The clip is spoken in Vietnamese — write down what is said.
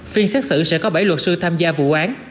phiên xét xử sẽ có bảy luật sư tham gia vụ án